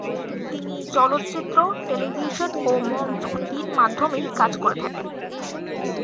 তিনি চলচ্চিত্র, টেলিভিশন ও মঞ্চ তিন মাধ্যমেই কাজ করে থাকেন।